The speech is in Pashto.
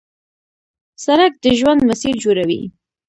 سړک د ژوند مسیر جوړوي.